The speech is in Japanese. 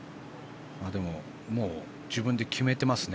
でも、もう自分で決めてますね